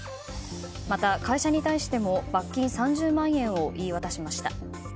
また会社に対しても罰金３０万円を言い渡しました。